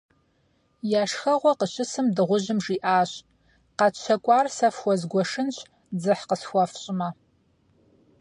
Я шхэгъуэ къыщысым, дыгъужьым жиӀащ: - КъэтщэкӀуар сэ фхуэзгуэшынщ, дзыхь къысхуэфщӀмэ.